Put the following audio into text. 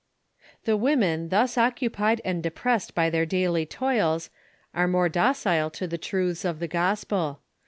"The women, thua ouoiipiud and dcproaaod by their daily toil%,aro more do cile to the triitha of the gospel.